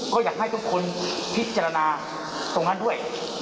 ก็อยากให้ทุกคนพิจารณาตรงนั้นด้วย